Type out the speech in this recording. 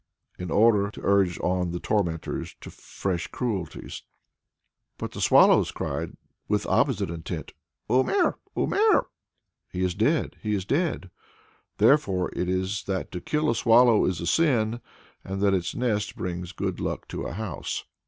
in order to urge on the tormentors to fresh cruelties. But the swallows cried, with opposite intent, Umer! Umer! "He is dead! He is dead." Therefore it is that to kill a swallow is a sin, and that its nest brings good luck to a house.